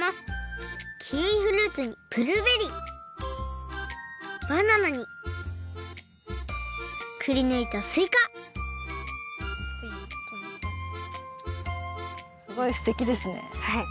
キウイフルーツにブルーベリーバナナにくりぬいたすいかすごいすてきですね。